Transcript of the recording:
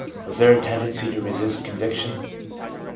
Was there a tendency to resist conviction?